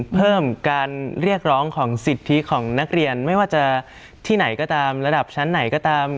เพิ่มการเรียกร้องของสิทธิของนักเรียนไม่ว่าจะที่ไหนก็ตามระดับชั้นไหนก็ตาม